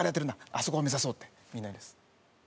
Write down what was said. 「あそこを目指そう」ってみんな言うんです。